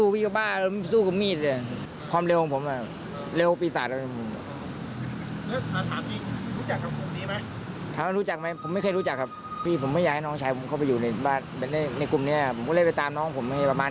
บิ๊กบอกไม่ใช่เล่นเหมือนกันนะ